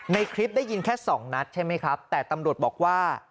ในคลิปได้ยินแค่สองนัดใช่ไหมครับแต่ตำรวจบอกว่า